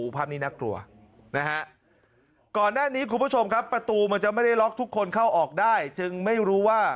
เป็นเม้นที่จะไข่ไปน่ากลัวนะะ